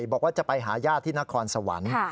บอกว่าจะไปหาญาติที่นครสวรรค์